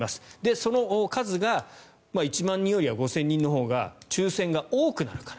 その数が１万人よりは５０００人のほうが抽選が多くなるから。